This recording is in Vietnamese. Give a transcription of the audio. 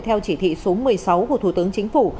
theo chỉ thị số một mươi sáu của thủ tướng chính phủ